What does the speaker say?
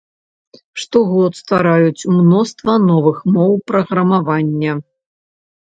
Штогод ствараюцца мноства новых моў праграмавання.